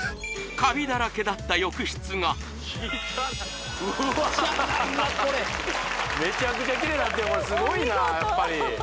カビだらけだった浴室がこれすごいなやっぱりお見事！